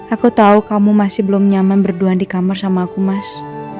aku tahu kamu masih belum nyaman berduaan di kamar sama aku mas